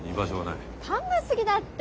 考え過ぎだって。